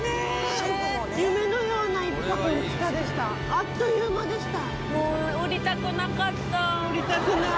あっという間でした。